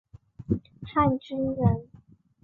汉军人。